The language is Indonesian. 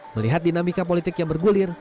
melihat dinamika politik yang bergulir